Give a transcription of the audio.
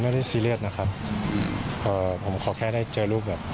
ไม่ได้ซีเรียสนะครับผมขอแค่ได้เจอรูปแบบ